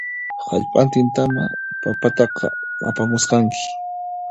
Hallp'antintamá papataqa apamusqanki